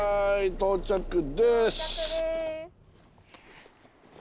到着です。